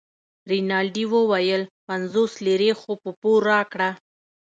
رینالډي وویل پنځوس لیرې خو په پور راکړه.